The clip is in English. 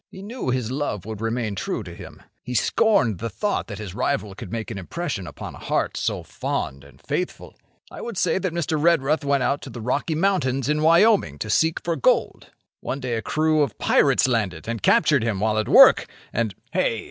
He knew his love would remain true to him. He scorned the thought that his rival could make an impression upon a heart so fond and faithful. I would say that Mr. Redruth went out to the Rocky Mountains in Wyoming to seek for gold. One day a crew of pirates landed and captured him while at work, and—" "Hey!